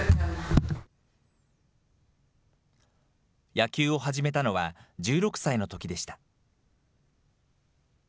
野球を始めたのは１６歳のときでした。